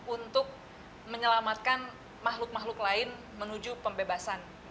untuk menyelamatkan makhluk makhluk lain menuju pembebasan